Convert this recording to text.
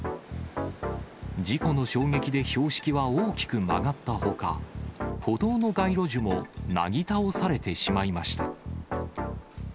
事故の衝撃で標識は大きく曲がったほか、歩道の街路樹もなぎ倒されてしまいました。